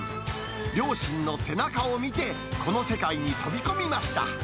両親の背中を見て、この世界に飛び込みました。